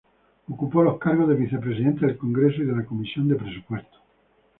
Ocupó los cargos de vicepresidente del Congreso y de la Comisión de Presupuestos.